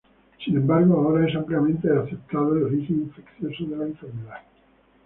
Sin embargo, ahora es ampliamente aceptado el origen infeccioso de la enfermedad.